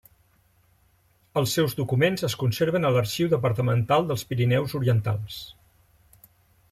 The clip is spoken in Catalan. Els seus documents es conserven a l'Arxiu Departamental dels Pirineus Orientals.